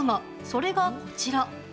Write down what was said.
それがこちら。